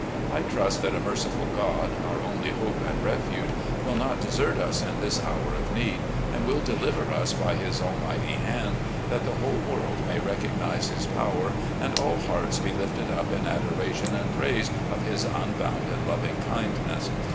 I trust that a merciful God, our only hope and refuge, will not desert us in this hour of need, and will deliver us by His almighty hand, that the whole world may recognise His power and all hearts be lifted up in adoration and praise of His unbounded loving kindness.